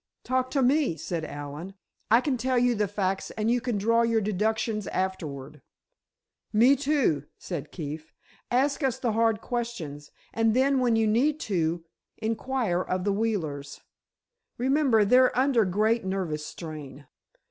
"Talk to me," said Allen. "I can tell you the facts, and you can draw your deductions afterward." "Me, too," said Keefe. "Ask us the hard questions, and then when you need to, inquire of the Wheelers. Remember, they're under great nervous strain."